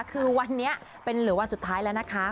คือวันนี้เป็นเหลือวันสุดท้ายแล้วนะคะ